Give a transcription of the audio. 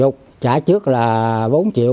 trả trước là bốn triệu chín trăm chín mươi